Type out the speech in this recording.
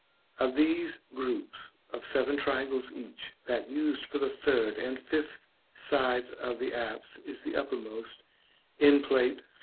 Of these groups of seven triangles each, that used for the third and fifth sides of the apse is the uppermost in Plate III.